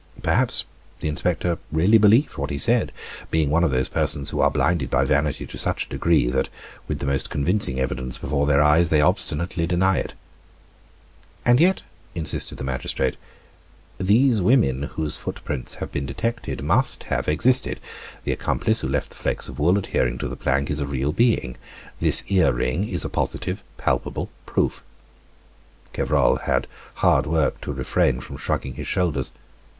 Perhaps the inspector really believed what he said, being one of those persons who are blinded by vanity to such a degree that, with the most convincing evidence before their eyes, they obstinately deny it. "And yet," insisted the magistrate, "these women whose footprints have been detected must have existed. The accomplice who left the flakes of wool adhering to the plank is a real being. This earring is a positive, palpable proof." Gevrol had hard work to refrain from shrugging his shoulders.